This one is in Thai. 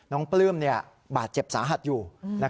ปลื้มบาดเจ็บสาหัสอยู่